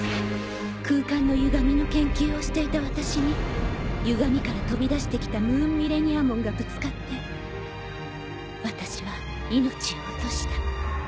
空間のゆがみの研究をしていた私にゆがみから飛び出してきたムーンミレニアモンがぶつかって私は命を落とした。